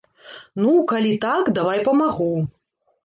Ну, калі так, давай памагу.